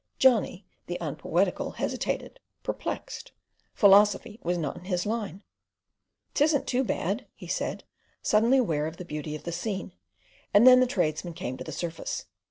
Johnny the unpoetical hesitated, perplexed. Philosophy was not in his line. "'Tisn't too bad," he said, suddenly aware of the beauty of the scene, and then the tradesman came to the surface.